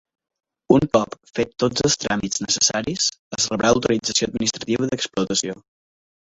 Un cop fets tots els tràmits necessaris, es rebrà l'autorització administrativa d'explotació.